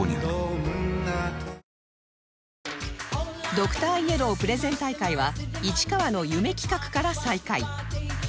ドクターイエロープレゼン大会は市川の夢企画から再開